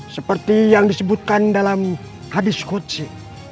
seperti yang disebutkan dalam hadis kuci